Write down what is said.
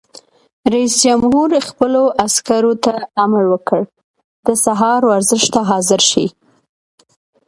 رئیس جمهور خپلو عسکرو ته امر وکړ؛ د سهار ورزش ته حاضر شئ!